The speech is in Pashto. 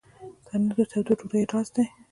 تنور د تودو ډوډیو راز لري